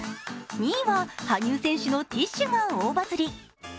２位は羽生選手のティッシュが大バズり。